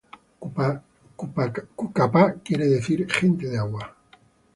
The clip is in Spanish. Cucapá quiere decir "gente de agua".